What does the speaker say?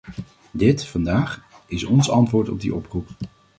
Dit, vandaag, is ons antwoord op die oproep.